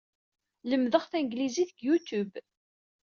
Lemdeɣ tamaziɣt deg YouTube.